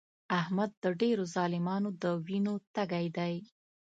احمد د ډېرو ظالمانو د وینو تږی دی.